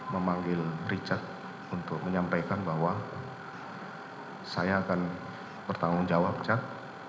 memanggil richard untuk menyampaikan bahwa saya akan bertanggung jawab chat